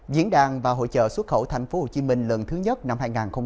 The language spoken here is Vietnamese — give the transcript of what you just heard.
diễn đàn và hội trợ xuất khẩu tp hcm lần thứ nhất năm hai nghìn hai mươi